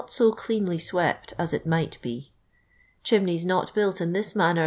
♦■o cleanly swept as it niii:ht be. Chimneys not bniit in tins manner